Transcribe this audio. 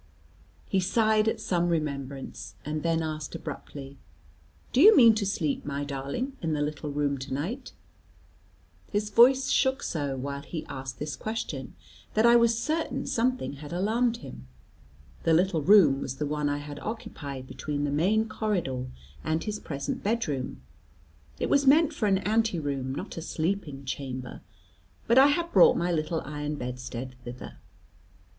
He sighed at some remembrance, and then asked abruptly, "Do you mean to sleep, my darling, in the little room to night?" His voice shook so, while he asked this question, that I was quite certain something had alarmed him. The little room was the one I had occupied between the main corridor and his present bedroom. It was meant for an ante room, not a sleeping chamber; but I had brought my little iron bedstead thither.